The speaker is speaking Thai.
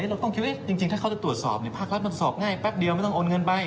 เราต้องคิดว่าจริงถ้าเขาจะตรวจสอบภาครัฐมันสอบง่ายแป๊บเดียวไม่ต้องโอนเงินไป